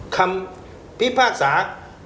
คำพิพากษา